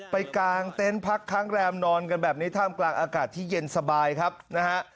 กลางเต็นต์พักค้างแรมนอนกันแบบนี้ท่ามกลางอากาศที่เย็นสบายครับนะฮะ